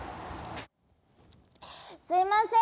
すいませーん。